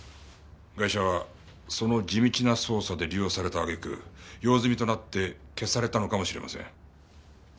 ガイシャはその地道な捜査で利用されたあげく用済みとなって消されたのかもしれません。